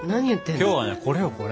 今日はねこれよこれ。